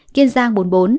kiên giang bốn mươi bốn